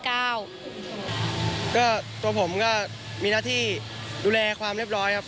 ก็ตัวผมก็มีหน้าที่ดูแลความเรียบร้อยครับ